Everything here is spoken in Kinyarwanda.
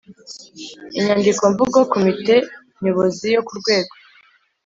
inyandikomvugo Komite Nyobozi yo ku rwego